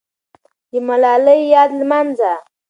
د ملالۍ یاد لمانځه.